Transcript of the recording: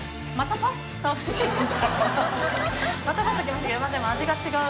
まぁでも味が違う。